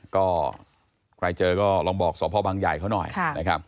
ก็ใครเจอก็ลองบอกสพบังใหญ่เขาหน่อยนะครับ